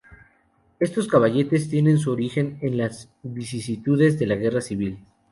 Estos caballetes tienen su origen en las vicisitudes de la guerra civil.